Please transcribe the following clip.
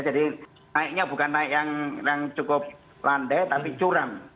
jadi naiknya bukan naik yang cukup landai tapi curam